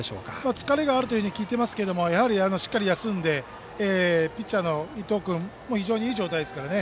疲れがあるというふうに聞いていますがしっかりと休んでピッチャーの伊藤君も非常にいい状態ですからね。